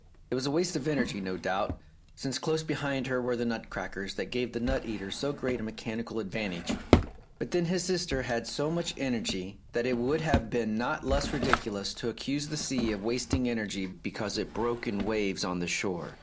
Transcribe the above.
It was a waste of energy, no doubt, since close beside her were the nut crackers that gave the nut eater so great a mechanical advantage; but then his sister had so much energy that it would have been not less ridiculous to accuse the sea of wasting energy because it broke in waves on the shore.